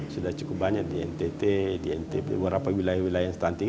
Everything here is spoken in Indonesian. sudah cukup banyak di ntt di ntp beberapa wilayah wilayah yang stunting